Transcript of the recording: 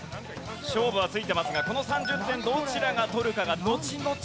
勝負はついてますがこの３０点どちらが取るかがのちのち